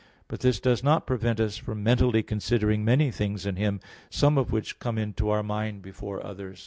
But this does not prevent us from mentally considering many things in Him, some of which come into our mind before others.